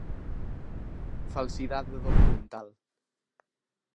Falsidade documental.